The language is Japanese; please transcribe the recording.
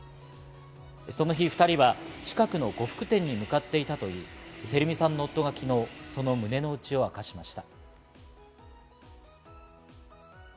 その日２人は近くの呉服店に向かっていたといい、照美さんの夫が昨日、その胸の内を明かしました。